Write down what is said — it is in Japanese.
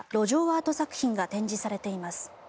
アート作品が展示されています。